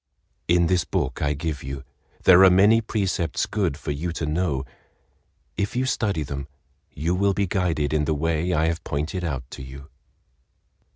"In this book I give you there are many precepts good for you to know—if you study them, you will be guided in the way I have pointed out to you."